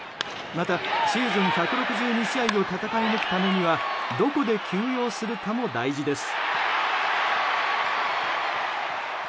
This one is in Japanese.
また、シーズン１６２試合を戦い抜くためにはどこで休養するかも大事です。